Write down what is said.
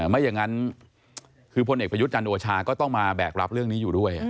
ไม่อย่างนั้นคือพลเอกประยุทธ์จันโอชาก็ต้องมาแบกรับเรื่องนี้อยู่ด้วย